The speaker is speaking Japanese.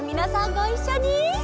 ごいっしょに！